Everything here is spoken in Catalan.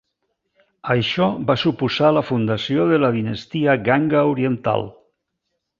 Això va suposar la fundació de la dinastia Ganga Oriental.